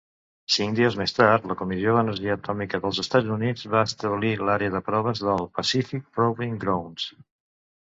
Cinc dies més tard, la Comissió d'Energia Atòmica dels Estats Units va establir l'àrea de proves del Pacífic Proving Grounds.